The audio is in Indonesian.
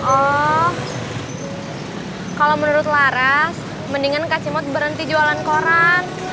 oh kalau menurut laras mendingan kacimot berhenti jualan koran